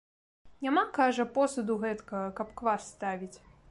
Няма, кажа, посуду гэткага, каб квас ставіць.